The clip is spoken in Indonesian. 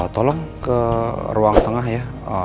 tolong ke ruang tengah ya